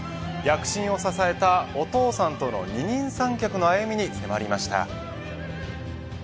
躍進を支えたお父さんとの二人三脚の歩みに迫りました。